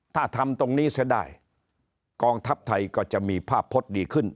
ถ้าทำตรงนี้เสียได้กองทัพไทยก็จะมีภาพพจน์ดีขึ้น